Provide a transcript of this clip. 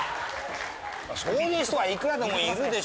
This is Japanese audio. そういう人はいくらでもいるでしょ。